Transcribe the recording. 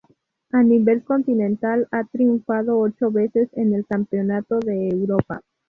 A nivel continental, ha triunfado ocho veces en el Campeonato de Europa.